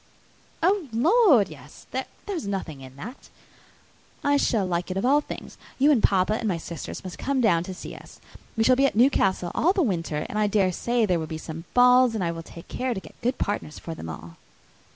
"Oh, Lord! yes; there is nothing in that. I shall like it of all things. You and papa, and my sisters, must come down and see us. We shall be at Newcastle all the winter, and I dare say there will be some balls, and I will take care to get good partners for them all."